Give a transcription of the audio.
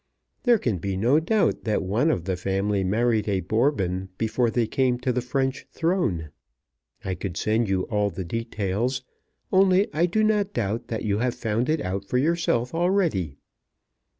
There can be no doubt that one of the family married a Bourbon before they came to the French throne. I could send you all the details, only I do not doubt that you have found it out for yourself already.